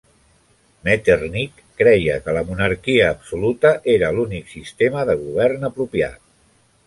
Metternich creia que la monarquia absoluta era l'únic sistema de govern apropiat.